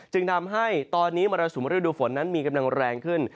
จึงทำให้ตอนนี้มรสุมฤดูฝนนั้นมีกำลังแรงขึ้น